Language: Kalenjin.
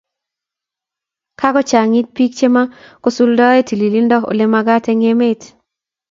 kakochangiit biik chemakosuldoe tililindo olemakaat eng emet